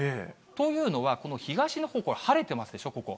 というのは、この東の方向晴れてますでしょ、ここ。